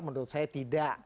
menurut saya tidak